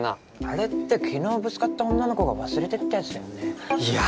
あれって昨日ぶつかった女の子が忘れてったやつだよねいや